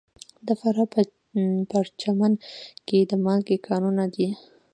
د فراه په پرچمن کې د مالګې کانونه دي.